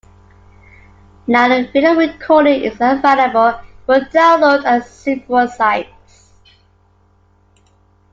Now the video recording is available for download at several sites.